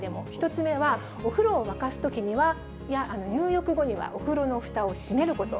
１つ目はお風呂を沸かすときには、入浴後にはおふろのふたを閉めること。